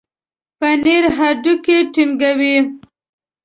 پنېر هډوکي ټينګوي.